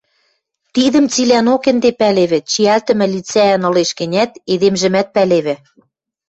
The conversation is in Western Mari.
Тидӹм цилӓнок ӹнде пӓлевӹ, чиӓлтӹмӹ лицӓӓн ылеш гӹнят, эдемжӹмӓт пӓлевӹ.